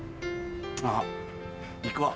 ああ行くわ。